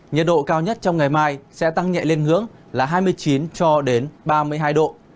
nhiệt độ cao nhất trong ngày mai sẽ tăng nhẹ lên hướng là hai mươi chín cho đến ba mươi hai độ